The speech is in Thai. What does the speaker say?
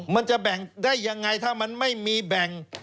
มันจะแบ่งได้ยังไงถ้ามันไม่มีแบ่ง